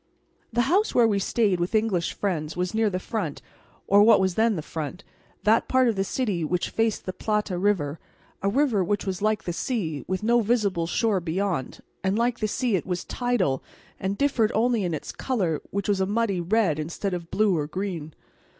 The house where we stayed with English friends was near the front, or what was then the front, that part of the city which faced the Plata river, a river which was like the sea, with no visible shore beyond; and like the sea it was tidal, and differed only in its colour, which was a muddy red instead of blue or green.